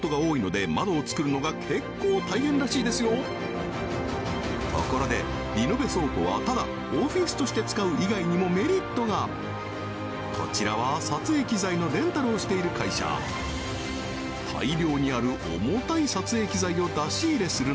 確かにところでリノベ倉庫はただオフィスとして使う以外にもメリットがこちらは撮影機材のレンタルをしている会社よくない？